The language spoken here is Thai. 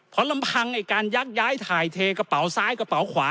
เพราะลำพังไอ้การยักย้ายถ่ายเทกระเป๋าซ้ายกระเป๋าขวา